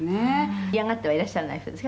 「嫌がってはいらっしゃらない風ですか？